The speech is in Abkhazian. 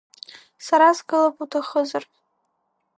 Сара сгылап уҭахызар!